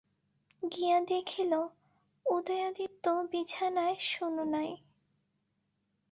গিয়া দেখিল উদয়াদিত্য বিছানায় শোন নাই।